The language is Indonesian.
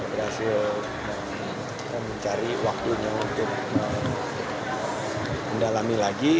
berhasil mencari waktunya untuk mendalami lagi